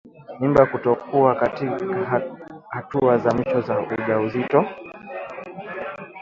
Mimba kutoka katika hatua za mwisho za ujauzito